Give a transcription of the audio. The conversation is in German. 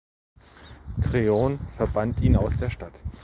Kreon verbannt ihn aus der Stadt.